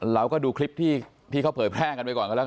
เราก็ดูคลิปที่เขาเผยแพร่กันไปก่อนกันแล้ว